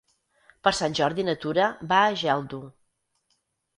Per Sant Jordi na Tura va a Geldo.